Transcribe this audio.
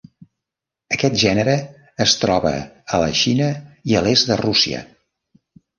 Aquest gènere es troba a la Xina i a l'est de Rússia.